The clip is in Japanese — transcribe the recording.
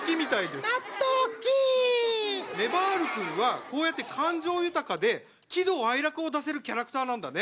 ねばる君はこうやって感情豊かで喜怒哀楽を出せるキャラクターなんだね。